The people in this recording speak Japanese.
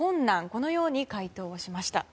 このように回答しました。